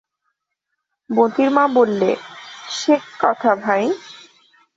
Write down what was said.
মোতির মা বললে, সে কি কথা ভাই!